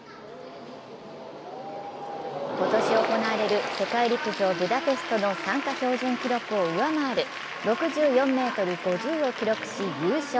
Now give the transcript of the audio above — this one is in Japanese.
今年行われる世界陸上・ブダペストの参加標準記録を上回る６４ｍ５０を記録し、優勝。